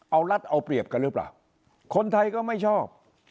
เอารัฐเอาเปรียบกันหรือเปล่าคนไทยก็ไม่ชอบ